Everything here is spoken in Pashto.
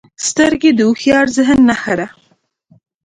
سترګې د هوښیار ذهن نښه ده